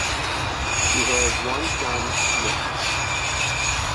He has one son Nick.